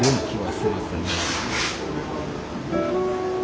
すみません。